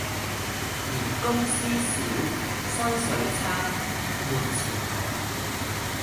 嫌公司小、薪水差、沒前途